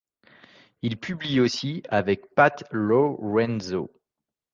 Il publie aussi ' avec Pat Lowrenzo.